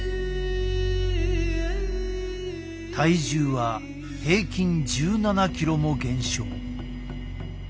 体重は平均１７ｋｇも減少。